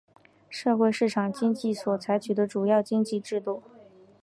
社会市场经济所采取的主要经济制度。